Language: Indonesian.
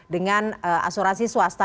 dengan asuransi swasta